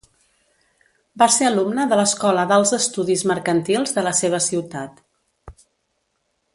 Va ser alumne de l'Escola d'Alts Estudis Mercantils de la seva ciutat.